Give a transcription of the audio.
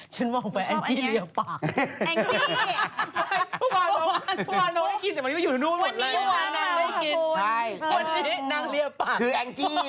ฉันบอกไปแองจี้เรียบปากแองจี้